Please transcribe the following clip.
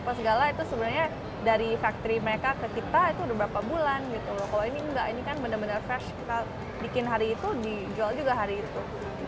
kita bikin hari itu dijual juga hari itu